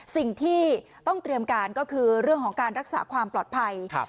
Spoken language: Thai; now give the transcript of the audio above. สิ่งที่ต้องเตรียมการก็คือเรื่องของการรักษาความปลอดภัย